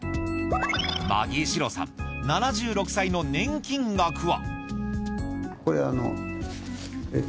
マギー司郎さん、７６歳の年金額は？